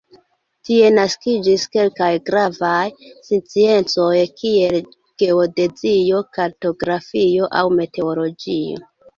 Tie naskiĝis kelkaj gravaj sciencoj kiel geodezio, kartografio aŭ meteologio.